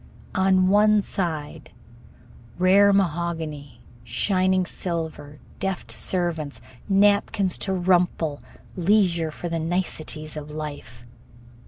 On one side rare mahogany, shining silver, deft servants, napkins to rumple, leisure for the niceties of life.